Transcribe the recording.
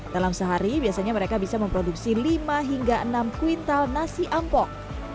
dalam sehari biasanya mereka bisa memproduksi lima hingga enam kuintal nasi ampok